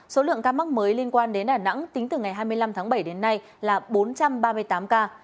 số lượng ca mắc mới liên quan đến đà nẵng tính từ ngày hai mươi năm tháng bảy đến nay là bốn trăm ba mươi tám ca